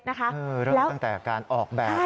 หรือเรื่องตั้งแต่การออกแบบ